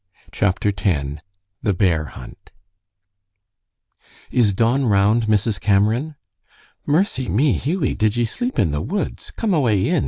CHAPTER X THE BEAR HUNT "Is Don round, Mrs. Cameron?" "Mercy me, Hughie! Did ye sleep in the woods? Come away in.